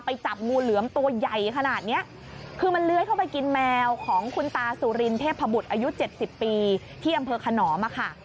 จับงูเหลือมตัวใหญ่ขนาดเนี้ยคือมันเลื้อยเข้าไปกินแมวของคุณตาสุรินเทพบุตรอายุเจ็ดสิบปีที่อำเภอขนอมอะค่ะ